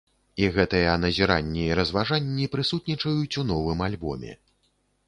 І гэтыя назіранні і разважанні прысутнічаюць у новым альбоме.